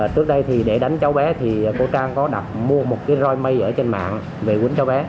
trước đây thì để đánh cháu bé thì cô trang có đập mua một cái roi mây ở trên mạng